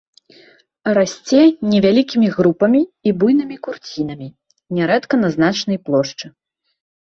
Расце невялікімі групамі і буйнымі курцінамі, нярэдка на значнай плошчы.